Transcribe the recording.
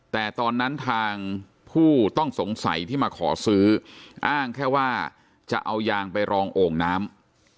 แต่ตอนนั้นทางผู้ต้องสงสัยที่มาขอซื้ออ้างแค่ว่าจะเอายางไปรองโอ่งน้ำ